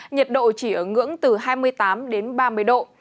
nhiệt độ chỉ ở ngưỡng từ hai mươi tám đến ba mươi độ